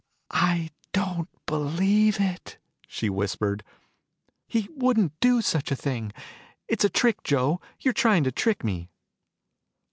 "I don't believe it," she whispered. "He wouldn't do such a thing. It's a trick, Joe. You're trying to trick me."